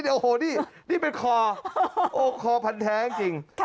โอ้โหนี่นี่เป็นคอโอคอพันธ์แท้จริง